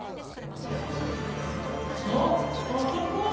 あっあそこ！